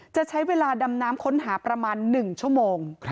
จะใช้เวลาดำน้ำค้นหาประมาณ๑ชั่วโมง